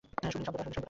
শুনলি শব্দ টা?